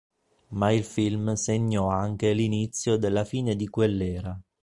Ma il film segnò anche l'inizio della fine di quell'era.